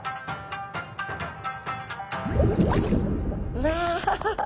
うわ！